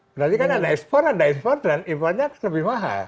berarti kan ada ekspor ada ekspor dan impornya lebih mahal